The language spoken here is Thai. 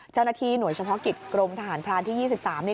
เจ้าหน้าที่หน่วยเฉพาะกิจกรมทหารพรานที่๒๓นี่